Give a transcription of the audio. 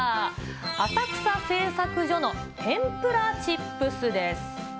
浅草製作所の天ぷらチップスです。